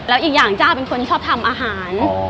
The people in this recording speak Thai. แล้วอีกอย่างจ้าเป็นคนชอบทำอาหาร